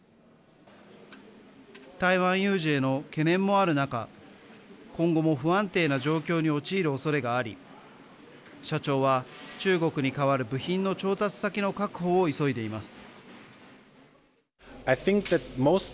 台湾有事への懸念もある中今後も不安定な状況に陥るおそれがあり社長は中国に代わる部品の調達先の確保を急いでいます。